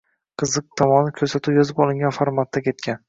Qiziq tomoni, ko‘rsatuv yozib olingan formatda ketgan